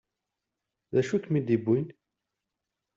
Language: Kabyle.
D acu i kem-id-yewwin?